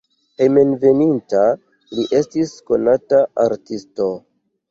Hejmenveninta li estis konata artisto.